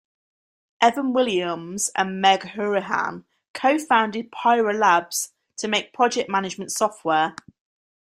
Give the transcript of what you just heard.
Evan Williams and Meg Hourihan co-founded Pyra Labs to make project management software.